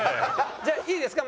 じゃあいいですか？